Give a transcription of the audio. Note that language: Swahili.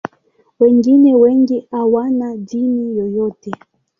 Wengine wengi hawana dini yoyote.